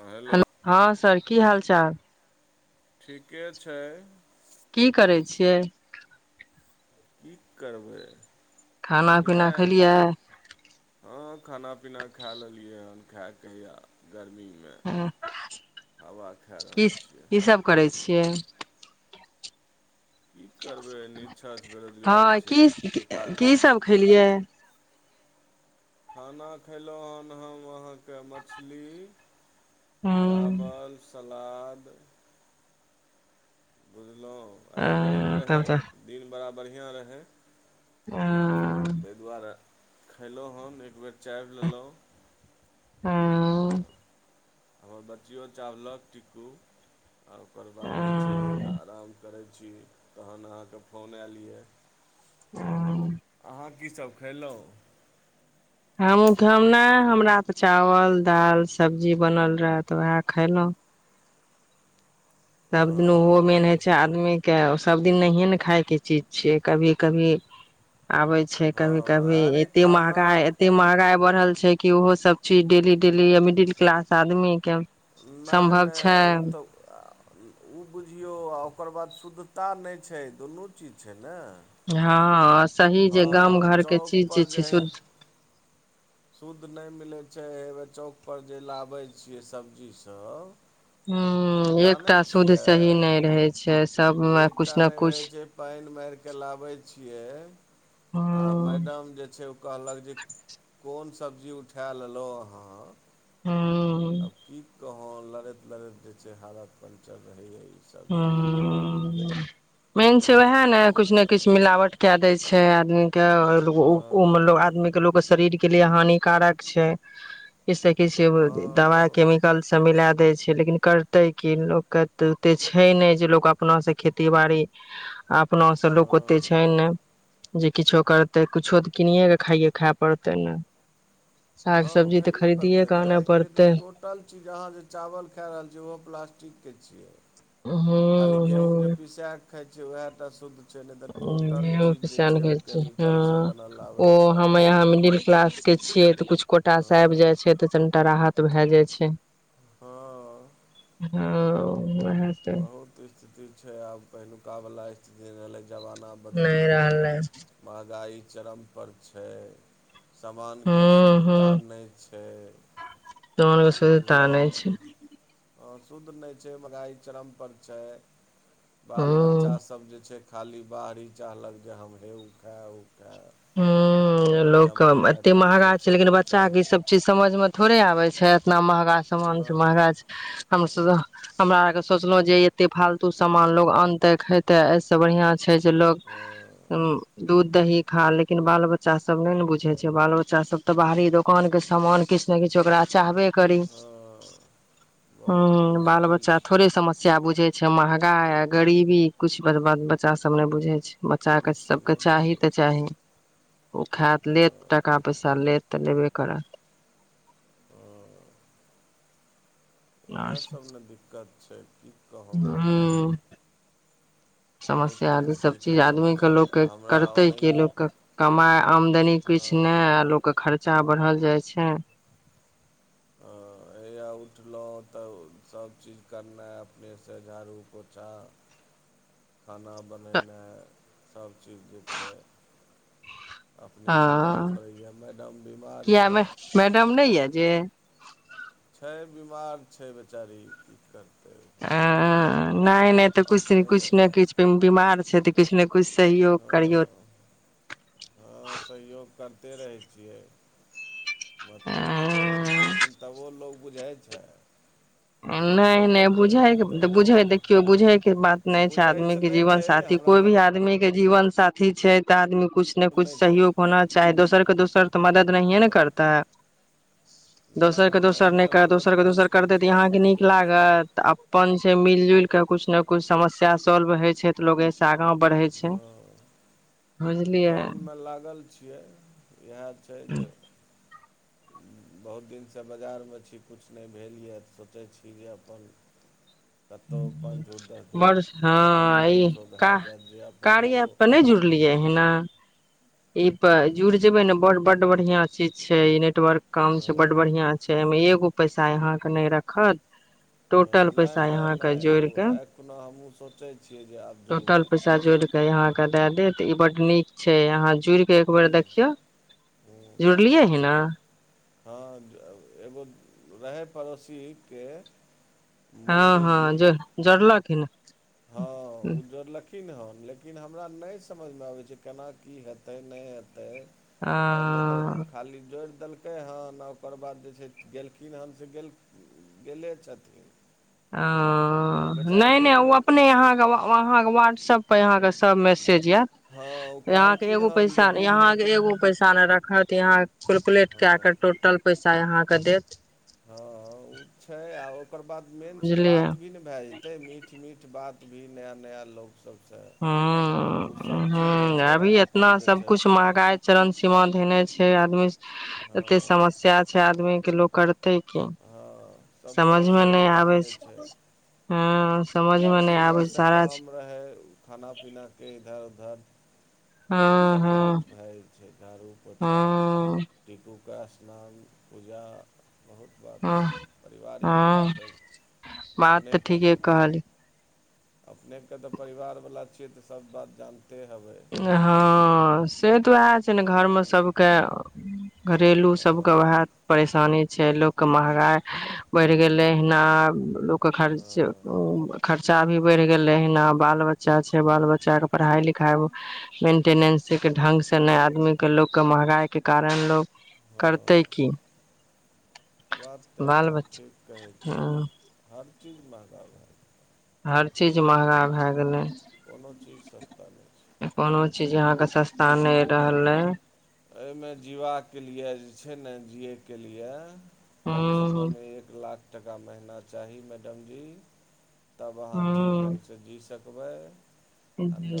हँ हेलो ह हॅं सर की हाल चाल ठीके छै की करै छियै की करबै खाना इएह पीना खेलियै हँ खाना पीना खा लेलियै हन खायएके या गरमीमे हँ, हवा खा की रहल छियै की सब करै छियै की करबै निचछत बेरोजगारी हँ छै की उतार की सब खेलियै खाना खयलहुँ हन हम अहाँके मछली हूँ, चावल सलाद बुझल अ, आइ रवि रहे तब तऽ दिन बरा बढ़िया रहै ह तै दुआरे खयलहुँ हन एक बेर चाय लेलहुँ हँ हमर बच्चिओ चावलक टीकू आओर ओकर बाद जे छै आराम करैत जी कहल अहाँ के फोन आएल ह अहाँ कीसभ खयलहुँ हमहूँ त हम ने हमरा तऽ चावल दाल सब्जी बनल रहए तऽ उएह खयलहुँ सबदिन ओहो मेन होइ छै आदमी के सभदिन नहिए ने खायके चीज छियै कभी कभी आबे छै कभी हँ कभी अरे एते खाना महगाई एते महगाई बढ़ल छै कि ओहो सब चीज डेली डेली य मिडिल क्लास आदमी के नहि सम्भव नहि छै ओ तऽ ओ बुझियौ आ ओकर बाद शुद्धता नहि छै दुनू चीज छै ने हँ सही जे हँ गाम घरके चीज जे चौकपर छै हइ शुद्ध शुद्ध नहि मिलै छै हउ चौकपर जे लाबै छियै सब्जीसभ ह जानै एकटा शुध सही छियै नहि रहै छै सबमे एकटा कुछ ने नहि कुछ रहैत छै पानि मारि कऽ लाबैत छियै हूं आ मैडम जे छै ओ कहलक जे को कोन सब्जी उठा लेलहुँ अहाँ हूं आब की कहुं लड़ैत लड़ैत जे छै हालत पंचर रहै य ह मेन छै उएह बहुत ने स्थिति किछु ने किछु खराब मिलावट कए दै छै आदमी के मतल हँ आदमी के लोग शरीर के लिए हानिकारक छै किछ से किछु हँ दवा बहुत केमिकल सब मिला दे छै लेकिन करतै कि लोकके त ते छै नहि जे लोक अपनासँ खेती बाड़ी अपनो सबके लोक हँ ओते हँ छै ने जे किछो करतै किछो तऽ कनए कऽ खाइयए खाय पड़तै ने साग हँ ओ सब्जी तऽ खाइए खरीदिये पड़तै के तऽ आनय आइके पड़ते डेटमे टोटल चीज अहाँ जे चावल खा रहल छियै ओहो प्लास्टिकके छियै हूँ खाली गेहूँ जे पीसै खा छियै वएह टा शुद्ध छै नहि तऽ टोटल चीज जे छै ओ ह केमिकलसँ बनल आबै ओ छै हम य मिडिल क्लास के छियै तऽ किछु कोटाासँ आब हँ जाइ छै तऽ राहत भए जाइ छै हँ हँ उएह तऽ बहुत स्थिति छै आब पहिलुका वलाा स् जे भेलला जमाना बदलि नहि गेलै रहलै महगाइ चरम पर छै सानके हूँ शुद्धता नहि छै त तर सुध त नहि छै शुद्ध नहि छै महगाइ चरमपर छै बाल बच्चा हूँ सब जे छै खाली बाहररी चाहलक जे हम हे ओ खाउ ह लोकके बढ़िआँ एतेक महगा आइटमसभ छै लेकिन सभकेँ बच्चाके चाही ईसभ चीज समझमे थोड़े आबैत छै इतना महगा समामान नहि छै महगा छै हमर सब हमरा आर के सोचलो जे एते फालतू सामान लोग आनते खेते एहिस बढ़ियां छै जे लोग हँ दूध द ही खा लेकिन बाल बच्चा सब ने ने बुझे छै बाल बच्चा सब ते बाहरी दोकान के सामान किछु ने किछु ओकरा चाहबे करी हँ ह बहुत बाल मुश्किल बच्चा छै थोड़े समस्या बुझे छै अच्छा महगा ह गरीबी कुछ बात बच्चा सब ने बुझै छै बच्चा के किछु सबके नहि चाही बुझै तऽ छै ची ओ खायत लेत हँ टाका पैसा लेत त नहि बेे करात हँ आर उएहसभ ने दिक्कत छै की कहू मैडम हूं बहुत समस्या ईसभ स्थिति चीज खराब आदमीके छै लोकके आ हमरा करतै कि ओनाहियो लोकके कमाय आमदनी हँ किछु नहि आ लोकके खर्च बच्चा बढ़ल जाइ छै हँ हएा उठलहुँ तऽ सभचीज करनाइ अपनेसँ झाड़ू पोछा खाना बनेनाइ सभचीज जे छै ह अपनेसँ करय पड़ैए मैडम बीमार किए यए मैडम नहि ये जे छै बिमार छै बेचारी की करतै ह नहि नहि तऽ किछ अपनेसँ किछु ने किछु बिमार से त किछु नहि किछु सहयोग करियौ हँ े रहै छियै मत पुछ नहि लेकिन तब ओ लोग बुझाइ छै एतेक नहि नहि सहयोग करै छियै बुझयके तबो नहि बुझै देखियौ बुझयके बात नहि छै बुझैसँ आदमीके नहि जीवन छै साथी हमरा कोइ भी आदमीके के जीवन साथी छै तऽ आदमी कुछ ने मतलब कुछ नहि छै सहयोग होना चाही दोसर के दोसर तऽ मदद नहिे ने हँ करता है दोसर नहि के दोसर ओ नहि तऽ कर मदद दोसर के फूल दोसर करै करते छियै अहाँ अपना नीक हिसाबसँ लागत अपन से मिल जुल एक के कुछ ने कुछ समस्या सॉल्व होइ छै तऽ लोग एहिसँ आगा बढ़ै छै बुझलियै चल मे लागल छी से इएह छै जे बहुत दिनसँ बाजारमे छी किछु नहि भेल यए तऽ सोचै छी जे अपन कतहु पाँच धूर दस धूर बड़ हँ इकट्ठा ई किछो भए जायत जे अपन कार्य एगो एप पर नहि जुड़लियै हना ई परे जुड़ जेबै ने ब बड बढ़ियां चीज छै ई नेटवर्क काम छै बड हँ बढ़ियां छै एहिमे एगो पैसा अहाँके नहि रखत हँ टोटल नहि पैसा नहि यहाँ के नहि जोड़ ओ के आखिखुना हमहूँ सोचै छियै जे आब जुड़बै द दे ई बड नीक छै यहाँ जुड़ कऽ एक बेर हूँ देखियौ हूँ जुड़लियै ह ने हँ एगो रहय पड़ोसीके हँ हँ मौनीजी ज जोडलक हिन हँ उज्ज्वर ल ेकिन हन लेकिन हमरा नहि समझमे आबै छै केना की हेतै नहि हेतै अ तऽ एहिमे तऽ खाली जोड़ देलकै हँ आओ ओकर बाद जे छै गेलखिन हन से गेल गेले छथिन अ ओ बेचारी नहि नहि एक ओ बेर अपने अहाँ के व्हाट्स ऐप करत सब पर यहाँके सब मे सेज आयत हँ ओ यहााँ के कहलखिन एगो हन जे पैसा दू यहा दिनाके के एगो पैसा ने रखत तहाँ कैलकुलेट हँ कए क टोटल पैसा आय अहाँके देत हँ ओ छै आ ओकर बाद मेन छै बुझलियै बात भी नहि भए जेतै मीठ मीठ बात भी नया नया लोको ह चीज होइ ह छै अभी एतना अपन जे छै सबकुछ महगाइ चरण सीमा धेने छै आदमी हँ एते समस्या छै आदमी के लोक हँ सभ समझमे तरहसँ नहि इनकम आबै छै ह आओर सुबहसँ काम रहै खाना पीनाके इधर उधर हँ ओहोसभ बहुत हँ भए जाइ छै झाड़ू पोछा हँ टिकू ओकरा स्नान पूजा बहुत बात ह छै पारिवारिक हँ तऽ बात तऽ ठीके कहली अपनेकेँ तऽ परिवारवला छियै तऽ सभ बात जानतै हँ से तऽ वएह छै ने घर मे हँ सबके घरेलु सबके हँ वएह परेशानी छै लोक के महगाई बढ़ि गेले एहिना लोक के खर्च हँ खर्चा भी बढ़ गेलै एहिना बाल बच्चा छै बाल बच्चा के पढ़ाई लिखाई मेन्टेनेंसके ढङ्ंगसँ नहि आदमीके लोकके महगाइके कारण लोक हँ करतै की बात तऽ बाल एकदम बच्चा ठीक कहै छियै हँ हर चीज महगा भए हर गेल चीज की कहू महंगा भए गेलै कोनो चीज सस्ता दे कोनो चीज यहाँके सस्ता नहि रहलै अ एहिमे जीबाकके लिए जे छै ने जियैके लिए कमसँ हूँ कम एक लाख टका महिना चाही मैडम जी तब अहाँ ठीक ढङ्ग से जी सक कबा जी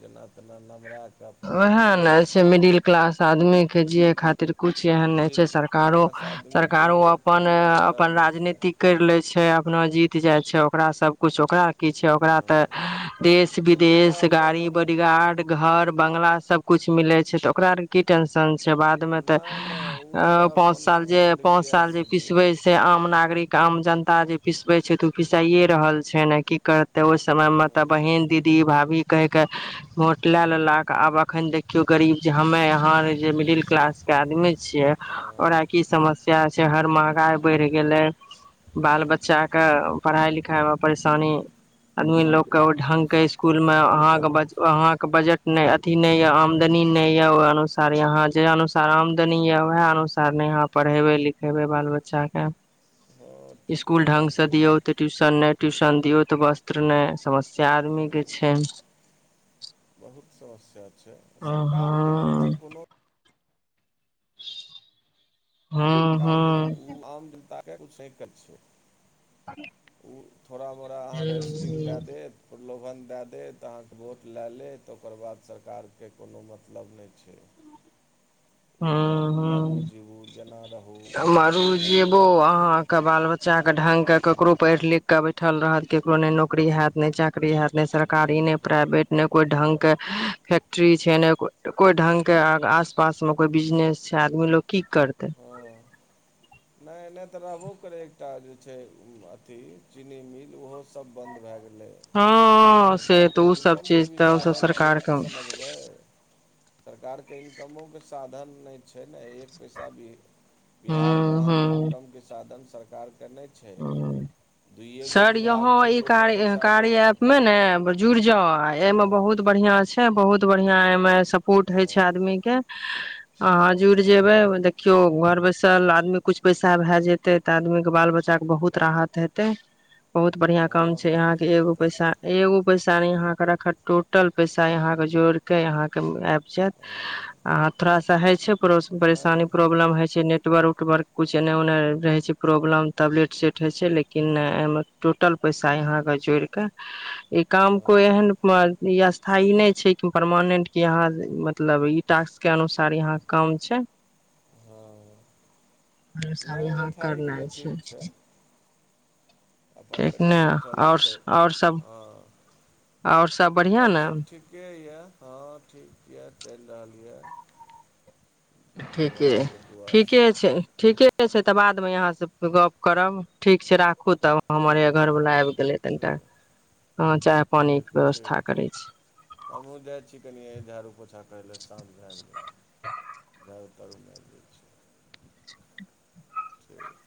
जेना तेना नमरा कऽ अपन ओ ह जीबू न छै मिडिल क्लास आदमीे जियए खातिर कुछ एहन नहि छै मिडिल सरकारो क्लास आदमीके सरकारो लिए अपन कोनो जगह अपन नहि छै राजनीति कर ले छै अपना जीत जाइ छै ओकरा सब कुछ ओकरा क छै ओकरा हँ तऽ ओ देश विदेश तऽ अपन गाड़ी बॉडीगार्ड घर बंगला सब कुछ मिले छै ते ओकरा आर के की टेंशन से बाद मे तऽ नहि नहि ओ तऽ पाच अपन साल जे पाच जिन्दगी साल जे ऐशसँ पिसबे जियैए से आम नागरिक आम जनता जे पिसबे छै तऽ ओ पिसाइे रहल छै ने की करते ओहि समय मे हँ तऽ बहिन दीदी भाभी कहिके वोट लए लेलक आब एखन देखियौ गरीब जे हमे यहाँ जे मिडिल क्लासके आदमी छियै हँ ओकरा की समस्या छै हर महगाइ बढ़ि गेलै बाल बच्चाके पढ़ाइ लिखाइमे परेशानी आदमी ल हँ ढंगके सभ इसकुलमे तरफसँ परेशानी छै अहाँके बजट अथी नहि य आमदनी नहि यए ओहि अनुसार यहाँ जे अनुसार आमदनी यए उएह अनुसार ने यहाँ पढ़ेबै लिखेबै बाल बच्चाके हँ ठीके स्सकूल ढंग से कहलियै दियऔ ते ट्यूशन नहि ्यूशन दियऔ तऽ वस्त्र ने समस से आदमी के हूँ छै च छै सरकारके की अहाँ छै कोनो हँ सरकार हँ आम जनता कुछ छै थोड़ाोड़ स् हँ भन दए देत तऽ अहाँके वोट लए लेत त ओकर बाद सरकारके कोनो मतलब नहि छै ह वहाँ मरू जीबू जेना रहू ह अहाँ मरू अपना जेबो हिसाबसँ जीबू अहाँके बाल बच्चाे ढंग केकरो पढ़ लिख के बैठल रहत केकरो ने नौकरी हयत ने चाकरी हयत ने सरकारी हूँ ने प्राइवेट ने कोइ ढंग के फैक्ट्री छै ने कोइ ढंग के आसपास कोइ बिजनेस छै आदमी लोग की करतै हँ नहि नहि तऽ रहबो करै एकटा जे छै अथी चीनी मिल ओहोसभ बंन्द भए गेलै हँ से तऽ सरकारके ओ सब इनकमके चीज भी तऽ ओ सब साधन इहो सरकार तऽ के समझबै सरकारके इनकमोके साधन नहि छै ने एक पैसा भी ह बिहारमे ह इननकम के साधन से सरकारके नहि छै ह दुइए गो सर यहा विभाग छै ई जाहिसँ कार पैसा जाइ कार्य छै एप मे ने जुड़ जाउ एहिमे हँ बहुत बढ़िआं छै बहुत बढ़आं एहिमे सपोर्ट होइ छै हँ आदमी के हह जुर हँ जेबै देखियौ घर बैछु पैसा भए तऽ आ बाल बच्चा बहुत राहत हेतै बहुत बढ़िया काम हँ छै हँ यहा के ठीके एगो पैसा कहलियै एगो पैसा ने यहा ओ अखर टोटल पैसा यहाँ के जोड़ के यहाँके आब छथि हँ अहाँ थोड़ा सा हइ छै पोस परेशानी नहि प्रॉब्लम हइ छै नेट उटबार उटबर कुछ एने ओने रहे छै प्रॉब्लम तबेइ हँ लिनल हँ पैसा नहि यहाँ बैठारीके लिए करनाइ छै ठीक छै अपन ठीक ने बैठल बैठल जे आओर छै आओर सब हँ आओर सब बढ़िया और ने सब ठीके यए हँ ठीक ये चलि रहल यए ठीके ठीके दुआसँ छै ठीके ठीके छै तऽ बादमे यहाँसँ गप करब ठीक छै राखू देखू तब हमरे घर ठीक वला आबि गेलै ठीक तनिटा चाह पानी ठीक के ठीक व्यवस्था छै करै छी पहिले साँझ भए गेल गेलै घर तर उमेए जाइ छै ठीक